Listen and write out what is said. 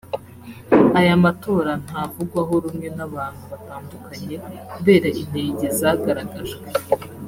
Aya matora ntavugwaho rumwe n’abantu batandukanye kubera inenge zagaragajwe